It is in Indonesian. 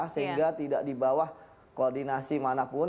sehingga tidak di bawah koordinasi manapun